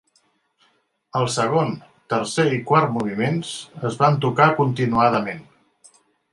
El segon, tercer i quart moviments es van tocar continuadament.